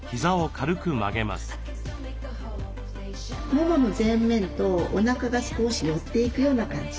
ももの前面とおなかが少し寄っていくような感じ。